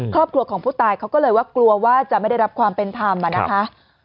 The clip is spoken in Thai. ครอบครัวของผู้ตายเขาก็เลยว่ากลัวว่าจะไม่ได้รับความเป็นธรรมนะคะ